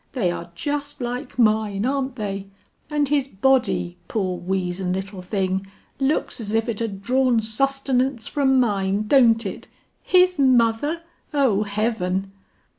they are just like mine, aren't they? and his body, poor weazen little thing, looks as if it had drawn sustenance from mine, don't it? His mother! O heaven!"